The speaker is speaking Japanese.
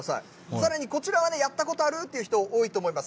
さらにこちらは、やったことあるっていう人、多いと思います。